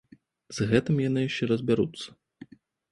З гэтым яны яшчэ разбяруцца.